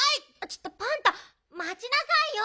ちょっとパンタまちなさいよ！